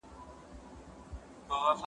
زه هره ورځ نان خورم،